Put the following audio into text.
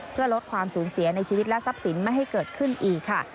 เพื่อลดความสูญเสียในชีวิตและทรัพย์สินไม่ให้เกิดขึ้นอีกค่ะ